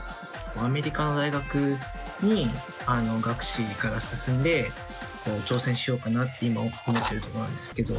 アメリカの大学に学士から進んで挑戦しようかなって今思ってるところなんですけど。